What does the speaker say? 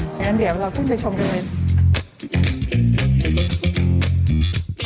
อย่างนั้นเดี๋ยวเราขึ้นไปชมกันเลย